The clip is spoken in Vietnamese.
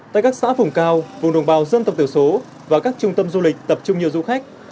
tại các xã vùng cao vùng đồng bào dân tộc tiểu số và các trung tâm du lịch tập trung nhiều du khách